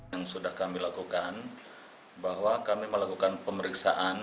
yang sudah kami lakukan bahwa kami melakukan pemeriksaan